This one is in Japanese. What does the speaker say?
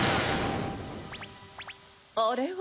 あれは。